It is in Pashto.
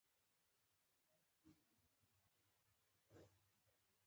د ټونس درې لسیزې اقتصادي وده معکوسه شوه.